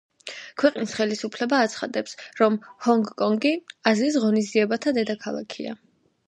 ქვეყნის ხელისუფლება აცხადებს, რომ ჰონგ-კონგი აზიის ღონისძიებათა დედაქალაქია.